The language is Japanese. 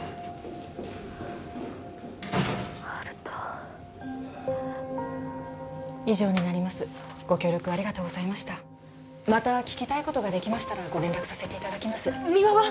温人以上になりますご協力ありがとうございましたまた聞きたいことができましたらご連絡させていただきます三輪は？